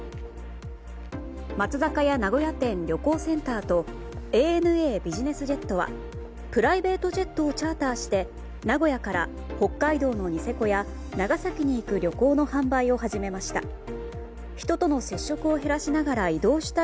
松坂屋名古屋店旅行センターとＡＮＡビジネスジェットはプライベートジェットをチャーターして名古屋から北海道のニセコや長崎に行く旅行の販売を始めました。